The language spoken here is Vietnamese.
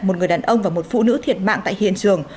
một người đàn ông và một phụ nữ thiệt mạng tại hiện trường